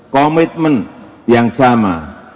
komitmen yang sama